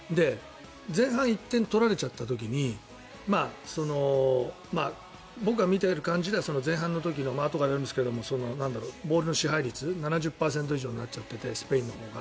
前半１点取られちゃった時に僕が見ている感じでは前半の時のあとからやるんでしょうけどボールの支配率７０％以上になっちゃっててスペインのほうが。